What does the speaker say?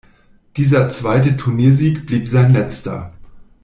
Dieser zweite Turniersieg blieb sein letzter.